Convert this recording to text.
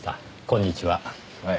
こんにちは。